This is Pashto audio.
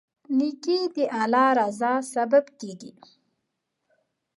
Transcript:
نیکي د الله رضا سبب کیږي.